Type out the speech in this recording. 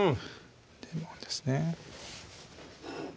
レモンですね